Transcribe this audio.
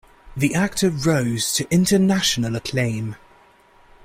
The actor rose to international acclaim.